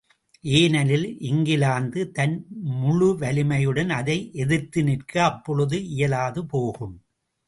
ஏனெனில் இங்கிலாந்து தன் முழுவலிமையுடன் அதை எதிர்த்து நிற்க அப்போழுது இயலாது போகும்.